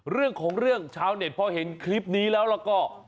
เรื่องของเรื่องชาวเน็ตพอเห็นคลิปนี้แล้วแล้วก็